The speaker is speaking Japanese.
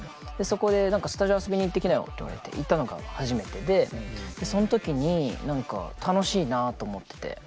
そこで「スタジオ遊びに行ってきなよ」って言われて行ったのが初めてでそん時に何か楽しいなと思ってて。